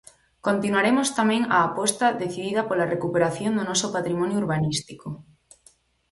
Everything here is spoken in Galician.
Continuaremos tamén a aposta decidida pola recuperación do noso patrimonio urbanístico.